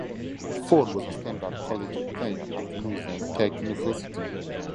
Ford was a standout collegiate player at Louisiana Tech University.